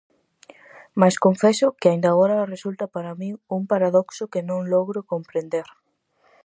Mais confeso que aínda agora resulta para min un paradoxo que non logro comprender.